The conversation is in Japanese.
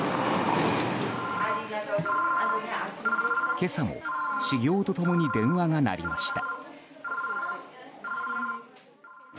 今朝も始業と共に電話が鳴りました。